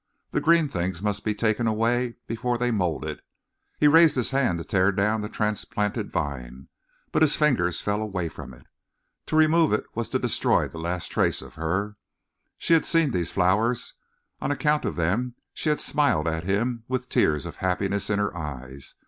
The green things must be taken away before they molded. He raised his hand to tear down the transplanted vine, but his fingers fell away from it. To remove it was to destroy the last trace of her. She had seen these flowers; on account of them she had smiled at him with tears of happiness in her eyes.